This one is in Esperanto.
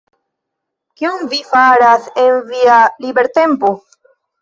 Kion vi faras en via libertempo?